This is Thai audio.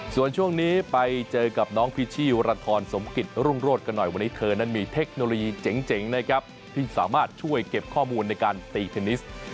ส่วนช่วงนี้ไปเจอกับน้องพิชชี่วรทรสมกิจรุ่งโรธกันหน่อยวันนี้เธอนั้นมีเทคโนโลยีเจ๋งนะครับที่สามารถช่วยเก็บข้อมูลในการตีเทนนิส